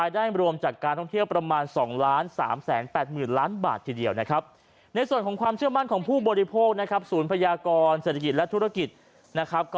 ได้รวมจากการท่องเที่ยวประมาณ๒๓๘๘ล้านบาททีเดียวนะครับในส่วนของความเชื่อมั่นของผู้บริโภคนะครับศูนย์พญากรเศรษฐกิจและธุรกิจนะครับ